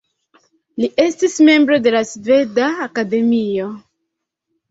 Li estis membro de la Sveda Akademio.